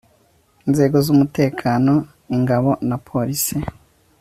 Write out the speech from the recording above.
inzego z umutekano ingabo na police